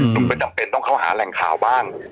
หนุ่มก็จำเป็นต้องเข้าหาแหล่งข่าวบ้าง